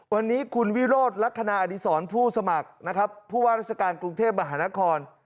วันนี้คุณวิโรธลักษณะอดีศรผู้สมัครผู้ว่าราชการกรุงเทพบรรษนครรภ์